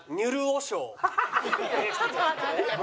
ちょっと待って。